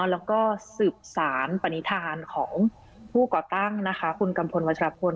แล้วก็สืบสารปณิธานของผู้ก่อตั้งนะคะคุณกัมพลวัชรพล